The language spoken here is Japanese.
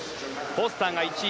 フォスターが１位。